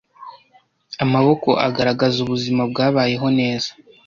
Amaboko agaragaza ubuzima bwabayeho neza